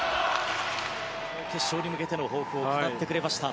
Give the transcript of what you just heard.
決勝に向けての抱負を語ってくれました。